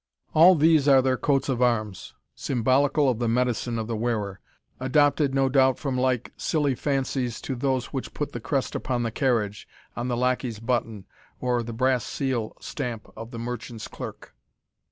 All these are their coats of arms, symbolical of the "medicine" of the wearer; adopted, no doubt, from like silly fancies to those which put the crest upon the carriage, on the lackey's button, or the brass seal stamp of the merchant's clerk.